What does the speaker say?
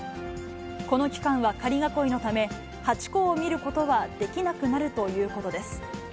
この期間は仮囲いのため、ハチ公を見ることはできなくなるということです。